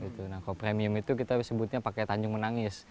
kalau premium itu kita sebutnya pakai tanjung menangis